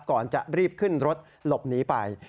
ก่อนจะรีบขึ้นรถหลบหนีไป